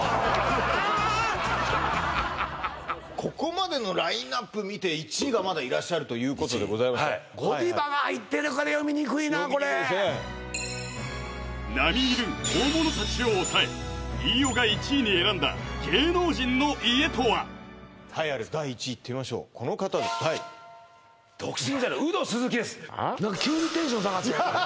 ここまでのラインナップ見て１位がまだいらっしゃるということでＧＯＤＩＶＡが入ってるから読みにくいなこれ並み居る大物たちを抑え飯尾が１位に選んだ芸能人の家とは栄えある第１位いってみましょうこの方ですはい独身時代のウド鈴木ですはあ？